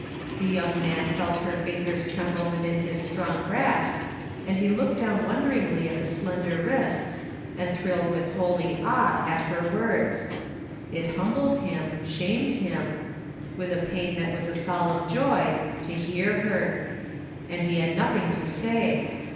The yoimg man felt her fingers tremble within his own strong grasp, and he looked down wonderingly at the slender wrists and thrilled with holy awe at her words. It humbled him, shamed him, with a pain that was a solemn joy, to hear her. And he had nothing to say.